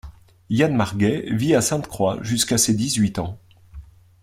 Yann Marguet vit à Sainte-Croix jusqu'à ses dix-huit ans.